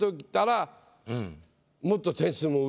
もっと点数も上。